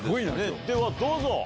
ではどうぞ！